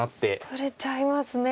取れちゃいますね。